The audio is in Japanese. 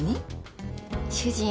主人。